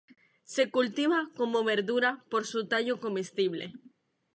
Se cultiva como verdura por su tallo comestible.